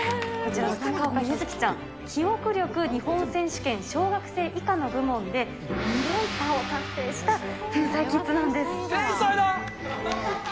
高岡柚月ちゃん、記憶力日本選手権小学生以下の部門で２連覇を達成した天才キッズ天才だ。